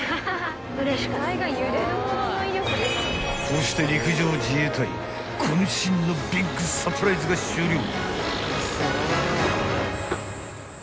［こうして陸上自衛隊渾身のビッグサプライズが終了］